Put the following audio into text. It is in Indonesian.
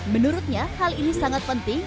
menurutnya hal ini sangat penting